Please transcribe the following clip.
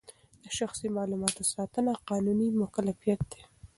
د شخصي معلوماتو ساتنه قانوني مکلفیت دی.